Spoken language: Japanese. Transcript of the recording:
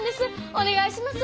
お願いします！